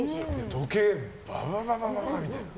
時計、ババババみたいな。